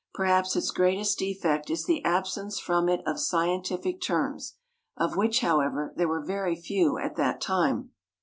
Perhaps its greatest defect is the absence from it of scientific terms, of which, however, there were very few at that time.